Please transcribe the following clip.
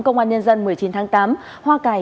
công an nhân dân một mươi chín tháng tám hoa cài